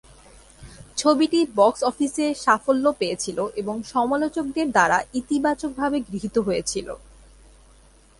ছবিটি বক্স অফিসে সাফল্য পেয়েছিল এবং সমালোচকদের দ্বারা ইতিবাচকভাবে গৃহীত হয়েছিল।